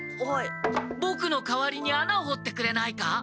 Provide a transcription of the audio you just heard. ボクの代わりに穴を掘ってくれないか？